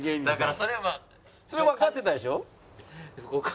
それはわかってたでしょ？